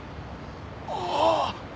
ああ！